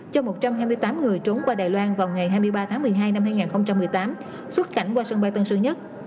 cho một trăm hai mươi tám người trốn qua đài loan vào ngày hai mươi ba tháng một mươi hai năm hai nghìn một mươi tám xuất cảnh qua sân bay tân sơn nhất